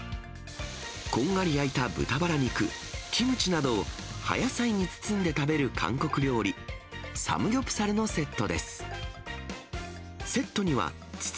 こんがり焼いた豚バラ肉、キムチなどを葉野菜に包んで食べる韓国料理、サムギョプサルのセットです。